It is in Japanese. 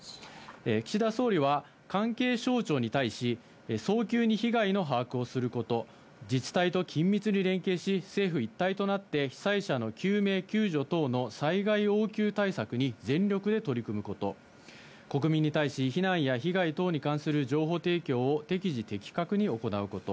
岸田総理は関係省庁に対し早急に被害の把握をすること自治体と緊密に連携し政府一体となって被災者の救命・救助等の災害応急対策に全力で取り組むこと国民に対し避難や被害等に関する情報提供を適時的確に行うこと。